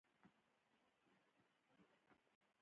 په بازار کې څلور اویا نوي دوکانونه پرانیستل شوي دي.